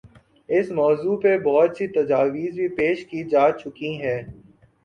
اس موضوع پہ بہت سی تجاویز بھی پیش کی جا چکی ہیں۔